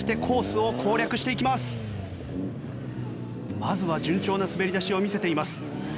まずは順調な滑り出しを見せています。